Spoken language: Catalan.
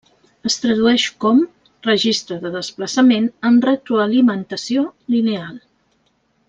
Es tradueix com: registre de desplaçament amb retroalimentació lineal.